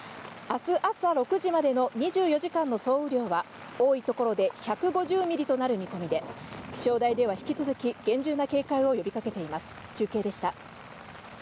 明日朝６時までの２４時間の総雨量は多いところで１５０ミリとなる見込みで、気象台では引き続き厳重な警戒を呼びかけています。